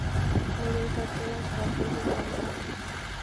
Murió en Carpentras, Vaucluse, Francia.